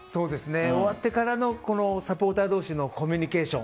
終わってからのサポーター同士のコミュニケーション。